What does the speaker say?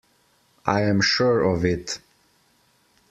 I am sure of it.